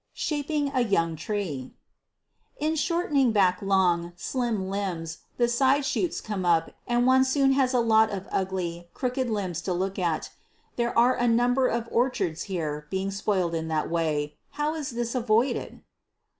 Shaping a Young Tree. In shortening back long, slim limbs the side shoots come out, and one soon has a lot of ugly, crooked limbs to look at. There are a number of orchards here being spoiled in that way. How is this avoided?